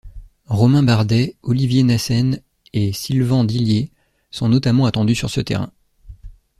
Romain Bardet, Olivier Naesen et Silvan Dillier sont notamment attendus sur ce terrain.